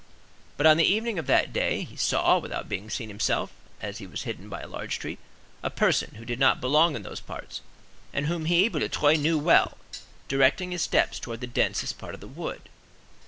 But, on the evening of that day, he saw, without being seen himself, as he was hidden by a large tree, "a person who did not belong in those parts, and whom he, Boulatruelle, knew well," directing his steps towards the densest part of the wood.